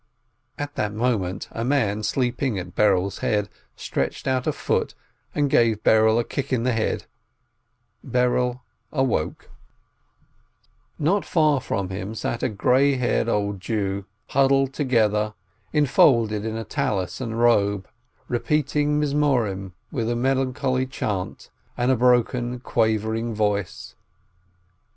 At that moment a man sleeping at Berel's head stretched out a foot, and gave Berel a kick in the head. Berel awoke. YOM KIPPUR 201 Not far from him sat a grey haired old Jew, huddled together, enfolded in a Tallis and robe, repeating Psalins with a melancholy chant and a broken, quavering voice.